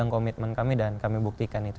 komitmen kami dan kami buktikan itu